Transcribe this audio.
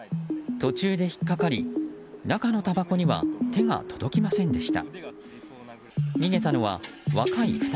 途中で引っかかり中のたばこには手が届きませんでした。